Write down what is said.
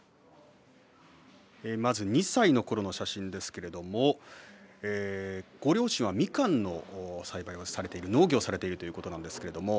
まず２歳のころの写真ですけれどもご両親は、みかんの栽培をされている、農業をされているということですね。